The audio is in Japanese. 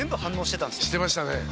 してましたね。